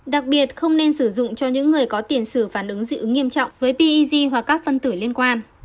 đặc biệt không nên sử dụng cho những người có tiền xử phản ứng dị ứng nghiêm trọng với peg hoặc các phân tử liên quan